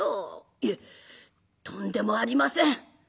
「いえとんでもありません。